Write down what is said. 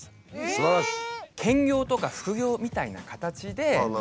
すばらしい！